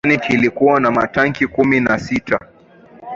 meli ya taitanic ilikuwa na matanki kumi na sita